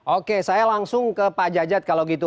oke saya langsung ke pak jajat kalau gitu